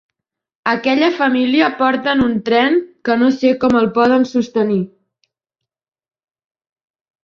Aquella família porten un tren, que no sé com el poden sostenir.